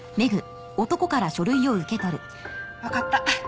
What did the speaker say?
わかった。